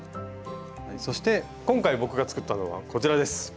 そして今回僕が作ったのはこちらです。